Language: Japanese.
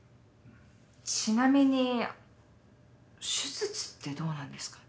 ちなみに手術ってどうなんですか？